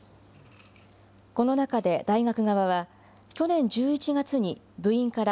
この中で大学側は、去年１１月に、部員から、